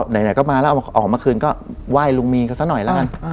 ไหนก็มาแล้วเอาออกมาคืนก็ไหว้ลุงมีนกันซะหน่อยแล้วกัน